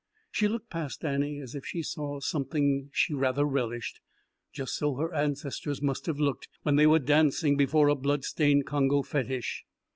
She looked past Annie as if she saw something she rather relished; just so her ancestors must have looked when they were dancing before a bloodstained Congo fetish.